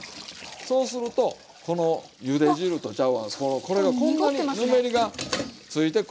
そうするとこのゆで汁とちゃうわこれがこんなにぬめりがついてくるんですわ。